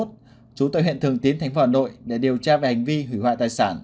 trú tại huyện thường tín tp hà nội để điều tra về hành vi hủy hoại tài sản